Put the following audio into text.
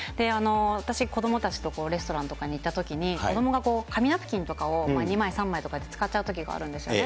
私、子どもたちとレストランとかに行ったときに、子どもが紙ナプキンとかを２枚、３枚とかって使っちゃうときがあるんですよね。